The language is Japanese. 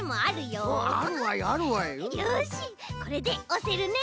よしこれでおせるね。